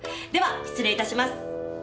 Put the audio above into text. では失礼致します。